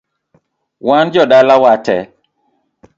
Wan jodala watee